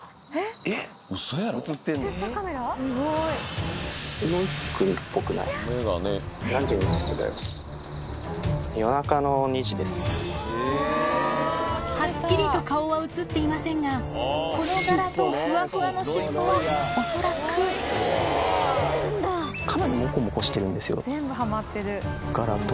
えっ！はっきりと顔は映っていませんがこの柄とフワフワの尻尾は恐らくかなりモコモコしてるんですよ。